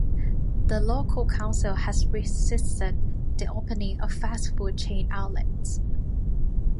The local council has resisted the opening of fast food chain outlets.